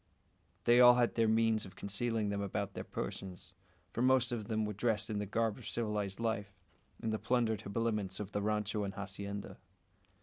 They all had the means of concealing them about their persons; for most of them were dressed in the garb of civilised life, in the plundered habiliments of the rancho and hacienda.